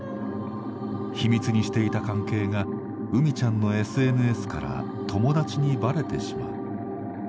秘密にしていた関係がうみちゃんのＳＮＳから友達にバレてしまう。